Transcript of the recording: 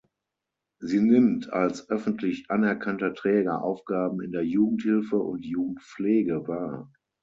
Sie nimmt als öffentlich anerkannter Träger Aufgaben in der Jugendhilfe und Jugendpflege wahr.